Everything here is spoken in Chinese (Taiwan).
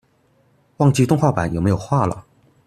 忘記動畫版有沒有畫了